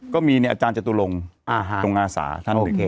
ก็มีอาจารย์จตุลงตรงอาสาท่าน